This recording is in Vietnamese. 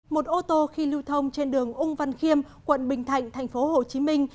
một ô tô khi lưu thông trên đường ung văn khiêm quận bình thạnh thành phố hồ chí minh